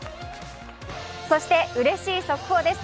そしてうれしい速報です。